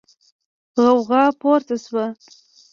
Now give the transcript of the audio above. غوغا پورته شوه.